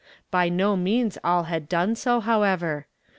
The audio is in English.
* By no means all had done so however.